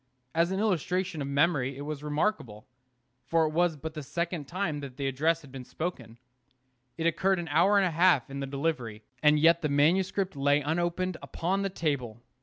As an illustration of memory it was remarkable, for it was but the second time that the address had been spoken. It occupied an hour and a half in the delivery, and yet the manuscript lay unopened upon the table.